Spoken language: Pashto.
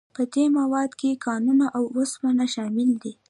په دې موادو کې کانونه او اوسپنه شامل دي.